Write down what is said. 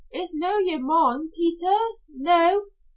It's no yer mon, Peter? No?